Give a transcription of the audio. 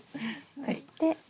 そして。